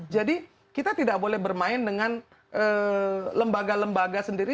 jadi kita tidak boleh bermain dengan lembaga lembaga sendiri